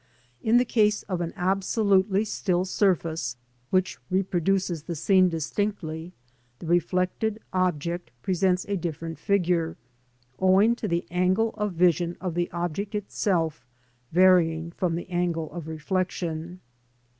In the case of an absolutely still surface, which reproduces the scene distinctly, the reflected object presents a different figure, owing to the angle of vision of the object itself varying from the angle of reflection.